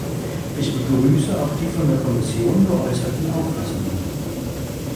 Ich begrüße auch die von der Kommission geäußerten Auffassungen.